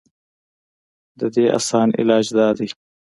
د دې اسان علاج دا دے